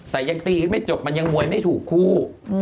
แต่ยังตีกันไม่จบมันยังมวยไม่ถูกคู่